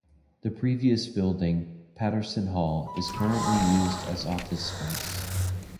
The previous building, Patterson Hall, is currently used as office space.